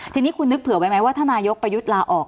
ทีนี้คุณนึกเผื่อไว้ไหมว่าถ้านายกประยุทธ์ลาออก